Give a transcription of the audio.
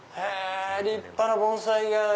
立派な盆栽が。